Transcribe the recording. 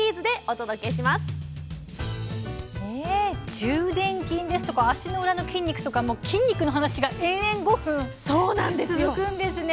中殿筋ですとか足の裏の筋肉とか筋肉の話が延々５分続くんですね。